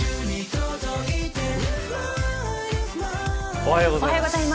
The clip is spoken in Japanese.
おはようございます。